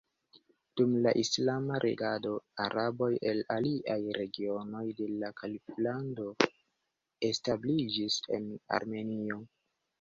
Dum la islama regado araboj el aliaj regionoj de la Kaliflando establiĝis en Armenio.